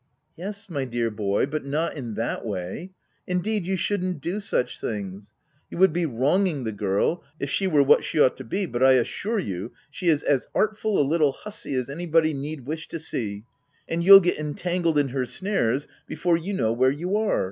" Yes, my dear boy, but not in that way. Indeed you shouldn't do such things. You would be wronging the girl, if she were what she ought to be ; but I assure you she is as artful a little hussy as anybody need wish to see ; and you'll get entangled in her snares before you know where you are.